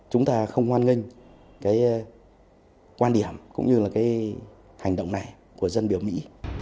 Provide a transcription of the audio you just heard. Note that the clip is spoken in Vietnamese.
chúng ta không hoan nghênh cái quan điểm cũng như là cái hành động này của dân biểu mỹ